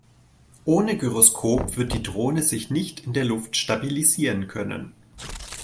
Ohne Gyroskop wird die Drohne sich nicht in der Luft stabilisieren können.